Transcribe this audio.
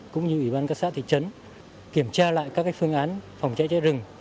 cũng như ủy ban các xã thị trấn kiểm tra lại các phương án phòng cháy cháy rừng